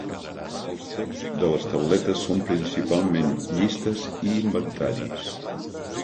Els texts de les tauletes són principalment llistes i inventaris.